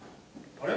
あれ？